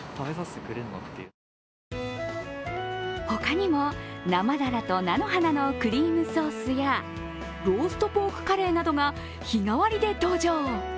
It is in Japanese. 他にも、生鱈と菜の花のクリームソースやローストポークカレーなどが日替わりで登場。